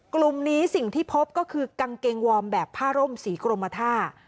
กลุ่มนี้สิ่งที่พบก็คือกางเกงวอร์มแบบผ้าร่มสีกรมท่า